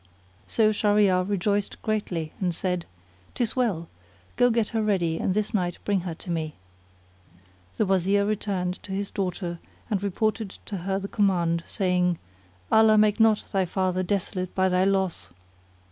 So Shahryar rejoiced greatly and said, "'Tis well; go get her ready and this night bring her to me." The Wazir returned to his daughter and reported to her the command saying, "Allah make not thy father desolate by thy loss!"